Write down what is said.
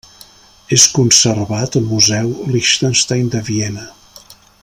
És conservat a museu Liechtenstein de Viena.